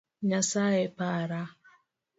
Nyasaye para!